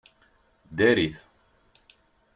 Ddarit!